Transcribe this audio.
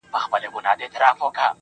زما لفظونه په سجده دې په لمانځه پاته دي_